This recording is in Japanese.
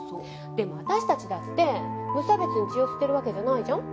でも私たちだって無差別に血を吸ってるわけじゃないじゃん？